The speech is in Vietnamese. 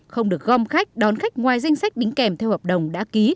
không được gom khách đón khách ngoài danh sách đính kèm theo hợp đồng đã ký